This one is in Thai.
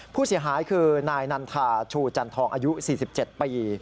ผู้เสียหายคือนายนันทาชูจันทองอายุ๔๗ปี